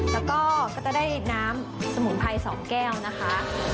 แล้วก็จะได้น้ำสมุนไพร๒แก้วนะคะ